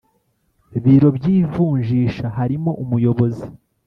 biro by ivunjisha harimo Umuyobozi